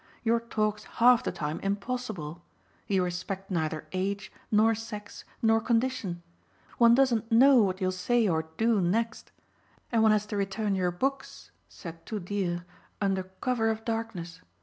Your talk's half the time impossible; you respect neither age nor sex nor condition; one doesn't know what you'll say or do next; and one has to return your books c'est tout dire under cover of darkness.